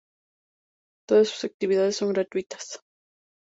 Todas sus actividades son gratuitas.